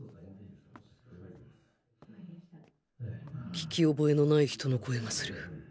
聞き覚えのない人の声がする